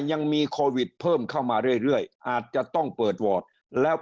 ยังมีโควิดเพิ่มเข้ามาเรื่อยอาจจะต้องเปิดวอร์ดแล้ว